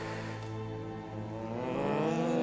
うん。